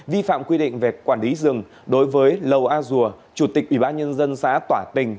vi phạm quy định về quản lý rừng đối với lầu a dùa chủ tịch ủy ban nhân dân xã tỏa tình